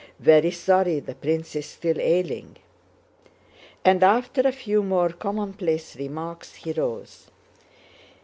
very sorry the prince is still ailing," and after a few more commonplace remarks he rose.